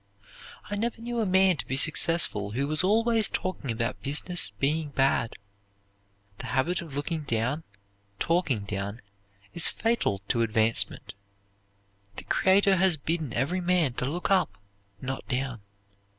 I never knew a man to be successful who was always talking about business being bad. The habit of looking down, talking down, is fatal to advancement. The Creator has bidden every man to look up, not down.